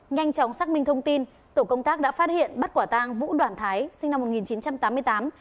nhanh chóng xác minh thông tin tổ công tác đã phát hiện bắt quả tang vũ đoàn thái sinh năm một nghìn chín trăm tám mươi tám